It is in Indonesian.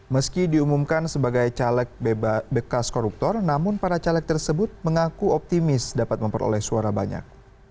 meski diumumkan sebagai caleg bekas koruptor namun para caleg tersebut mengaku optimis dapat memperoleh suara banyak